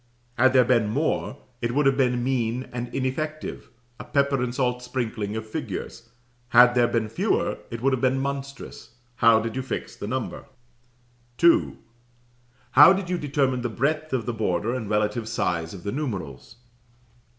Had there been more, it would have been mean and ineffective, a pepper and salt sprinkling of figures. Had there been fewer, it would have been monstrous. How did you fix the number? "2. How did you determine the breadth of the border and relative size of the numerals?